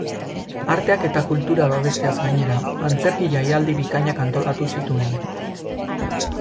Arteak eta kultura babesteaz gainera, antzerki-jaialdi bikainak antolatu zituen.